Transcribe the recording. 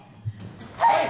はい！